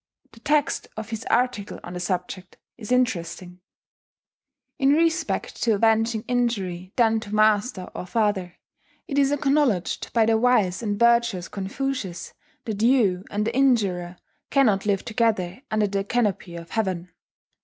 The text of his article on the subject is interesting: "In respect to avenging injury done to master or father, it is acknowledged by the Wise and Virtuous [Confucius] that you and the injurer cannot live together under the canopy of heaven.